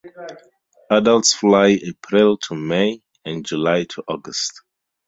Adults fly April to May and July to August.